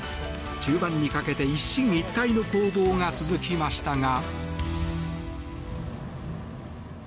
中盤にかけて、一進一退の攻防が続きましたが。